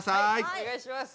お願いします。